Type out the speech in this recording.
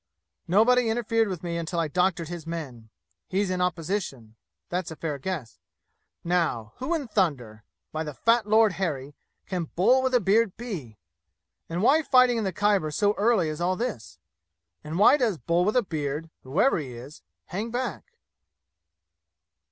"Nobody interfered with me until I doctored his men. He's in opposition. That's a fair guess. Now, who in thunder by the fat lord Harry can 'Bull with a beard' be? And why fighting in the Khyber so early as all this? And why does 'Bull with a beard,' whoever he is, hang back?"